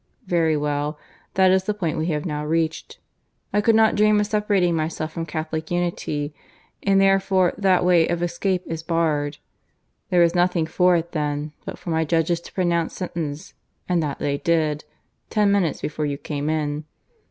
Very well; that is the point we have now reached. I could not dream of separating myself from Catholic Unity, and therefore that way of escape is barred. There was nothing for it, then, but for my judges to pronounce sentence; and that they did, ten minutes before you came in.